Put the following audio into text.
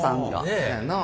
せやなあ。